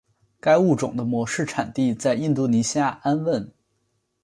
该物种的模式产地在印度尼西亚安汶。